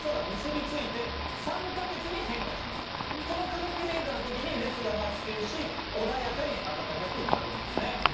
この化学変化の時に熱が発生し穏やかに温かくなるんですね。